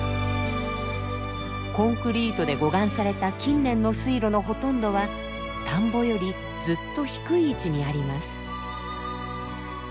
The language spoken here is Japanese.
コンクリートで護岸された近年の水路のほとんどは田んぼよりずっと低い位置にあります。